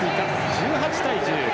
１８対１０。